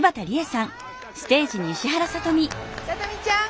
さとみちゃん！